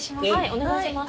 お願いします。